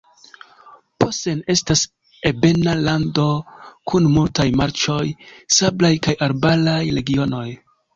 Posen estas ebena lando kun multaj marĉoj, sablaj kaj arbaraj regionoj.